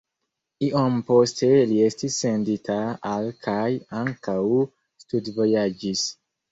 Iom poste li estis sendita al kaj ankaŭ studvojaĝis.